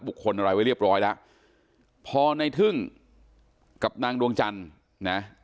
คนอะไรไว้เรียบร้อยแล้วพอในทึ่งกับนางดวงจันทร์นะ